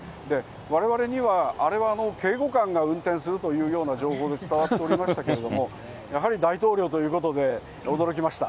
われわれには、あれは警護官が運転するというような情報で伝わっておりましたけれども、やはり大統領ということで、驚きました。